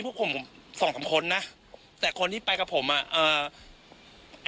พวกผมผมสองสามคนนะแต่คนที่ไปกับผมอ่ะเอ่อ